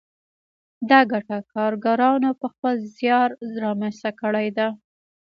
دا ګټه کارګرانو په خپل زیار رامنځته کړې ده